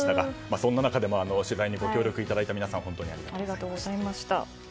そんな中でも取材にご協力いただいた皆様本当にありがとうございました。